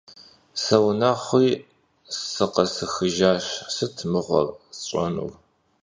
Sıunexhuri sıkhesexıjjaş, sıt mığuer sş'enu!